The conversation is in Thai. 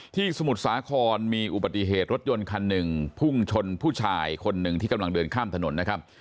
สมุทรสาครมีอุบัติเหตุรถยนต์คันหนึ่งพุ่งชนผู้ชายคนหนึ่งที่กำลังเดินข้ามถนนนะครับ